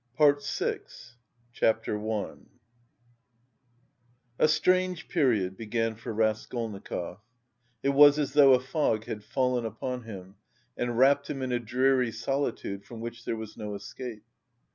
PART VI CHAPTER I A strange period began for Raskolnikov: it was as though a fog had fallen upon him and wrapped him in a dreary solitude from which there was no escape.